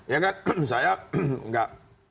ya kan saya gak